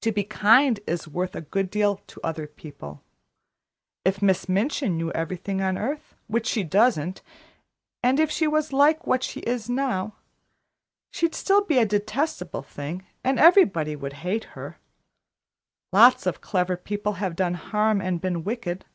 To be kind is worth a good deal to other people. If Miss Minchin knew everything on earth, which she doesn't, and if she was like what she is now, she'd still be a detestable thing, and everybody would hate her. Lots of clever people have done harm and been wicked.